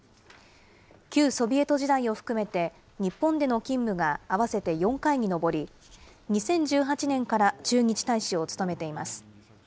旧ソビエト時代を含めて、日本での勤務が合わせて４回に上り、２０１８年から駐日大使を務めています。